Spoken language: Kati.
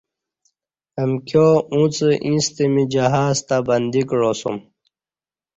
امکیاں اوݩڅ ایݩستہ می جہاز تہ بندی کعاسُوم